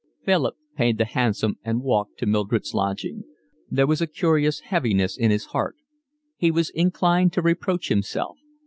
Philip paid the hansom and walked to Mildred's lodgings. There was a curious heaviness in his heart. He was inclined to reproach himself.